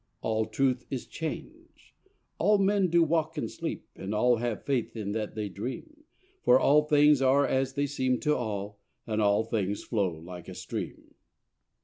All truth is change: All men do walk in sleep, and all Have faith in that they dream: For all things are as they seem to all, And all things flow like a stream.